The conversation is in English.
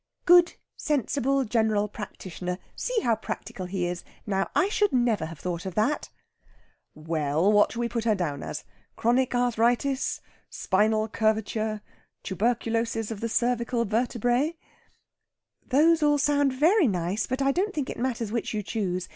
"Good, sensible, general practitioner! See how practical he is! Now, I should never have thought of that!" "Well, what shall we put her down as? Chronic arthritis spinal curvature tuberculosis of the cervical vertebræ?" "Those all sound very nice. But I don't think it matters which you choose.